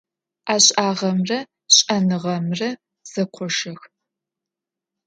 Ӏэшӏагъэмрэ шӏэныгъэмрэ зэкъошых.